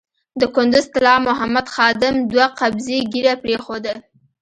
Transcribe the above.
د کندز طلا محمد خادم دوه قبضې ږیره پرېښوده.